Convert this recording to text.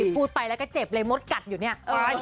พูดไปแล้วก็เจ็บเลยมดกัดอยู่เนี่ย